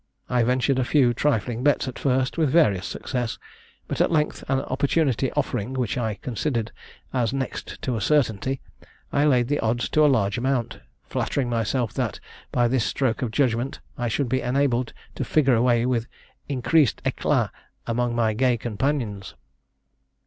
I ventured a few trifling bets at first with various success; but at length an opportunity offering, which I considered as next to a certainty, I laid the odds to a large amount, flattering myself that, by this stroke of judgment, I should be enabled to figure away with increased éclat among my gay companions.